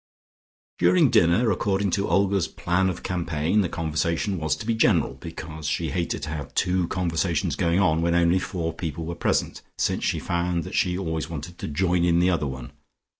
During dinner, according to Olga's plan of campaign, the conversation was to be general, because she hated to have two conversations going on when only four people were present, since she found that she always wanted to join in the other one.